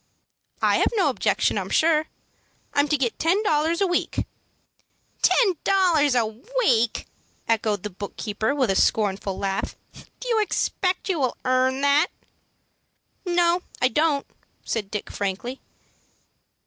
"I have no objection, I'm sure. I'm to get ten dollars a week." "Ten dollars a week!" echoed the book keeper, with a scornful laugh. "Do you expect you will earn that?" "No, I don't," said Dick, frankly.